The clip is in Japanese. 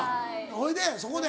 ほいでそこで？